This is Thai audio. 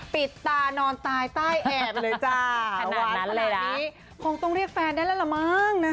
ปิดตานอนตายใต้แอบเลยจ้าหวานขนาดนี้คงต้องเรียกแฟนได้แล้วล่ะมั้งนะคะ